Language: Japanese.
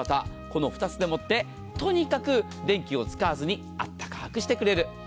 この２つでもって、とにかく電気を使わずにあったかくしてくれる。